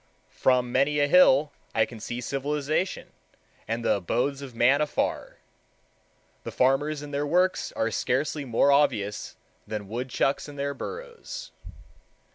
From many a hill I can see civilization and the abodes of man afar. The farmers and their works are scarcely more obvious than woodchucks and their burrows.